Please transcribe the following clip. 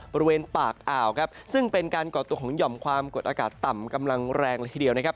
บริเวณปากอ่าวครับซึ่งเป็นการก่อตัวของหย่อมความกดอากาศต่ำกำลังแรงเลยทีเดียวนะครับ